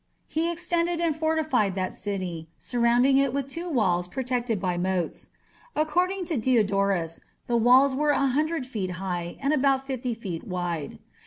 He extended and fortified that city, surrounding it with two walls protected by moats. According to Diodorus, the walls were a hundred feet high and about fifty feet wide.